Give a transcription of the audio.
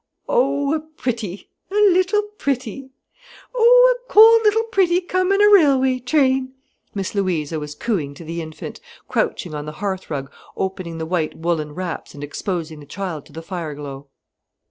"Oh a pretty!—a little pretty! oh a cold little pretty come in a railway train!" Miss Louisa was cooing to the infant, crouching on the hearthrug opening the white woollen wraps and exposing the child to the fireglow.